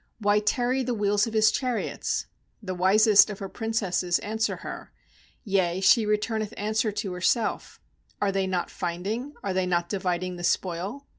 Why tarry the wheels of his char iots?' MThe wisest of her princesses answer her, Yea, she returneth answer to herself 3°'Are they not finding, are they not dividing the spoil?